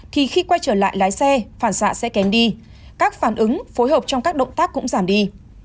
thì khi quay trở lại lái xe phản xạ sẽ kém đi các phản ứng phối hợp trong các động tác cũng giảm đi